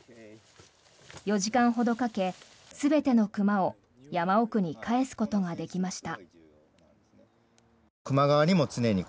４時間ほどかけ、全ての熊を山奥に返すことができました。